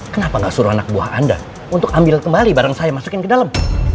kenapa gak suruh anak buah anda untuk ambil kembali barang saya masukin ke dalam